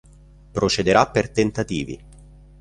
Procederà per tentativi.